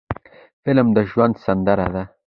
فلم د ژوند سندره ده